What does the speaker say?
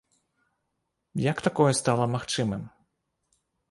Як такое стала магчымым?